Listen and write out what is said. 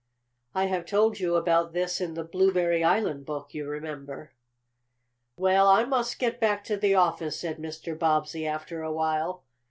I have told you about this in the Blueberry Island book, you remember. "Well, I must get back to the office," said Mr. Bobbsey, after a while.